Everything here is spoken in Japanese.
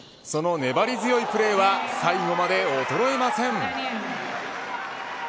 その粘り強いプレーは最後まで衰えません。